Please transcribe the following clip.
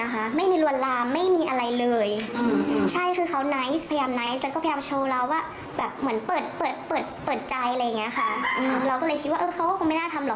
เขาอยากให้ทุกคนจดจำเขาก็คือเขาอย่างนี้แหละค่ะ